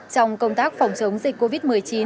trong công tác phòng chống dịch covid một mươi chín